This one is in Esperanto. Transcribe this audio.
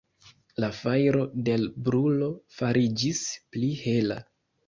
La fajro de l' brulo fariĝis pli hela.